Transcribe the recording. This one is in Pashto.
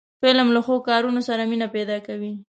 فلم له ښو کارونو سره مینه پیدا کوي